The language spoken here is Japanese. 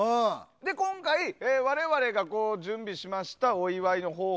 今回、我々が準備しました、お祝いの方法